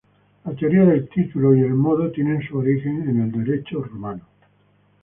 La teoría del título y el modo tiene su origen en el Derecho romano.